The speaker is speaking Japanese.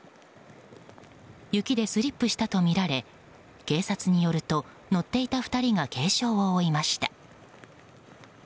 雪でスリップしたとみられ警察によると乗っていた２人が軽傷を負いました。